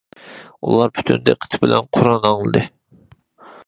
ئۇلار پۈتۈن دىققىتى بىلەن قۇرئان ئاڭلىدى.